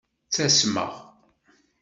Ttasmeɣ.